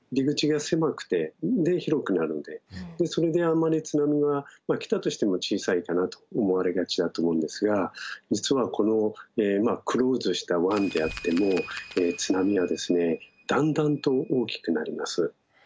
それであんまり津波は来たとしても小さいかなって思われがちだと思うんですが実はこのクローズした湾であっても津波はですねだんだんと大きくなります。